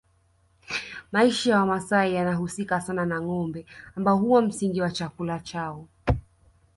Maisha ya Wamasai yanahusika sana na ngombe ambao huwa msingi wa chakula chao